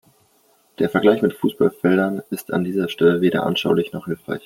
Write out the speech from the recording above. Der Vergleich mit Fußballfeldern ist an dieser Stelle weder anschaulich noch hilfreich.